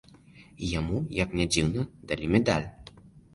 І яму, як не дзіўна, далі медаль.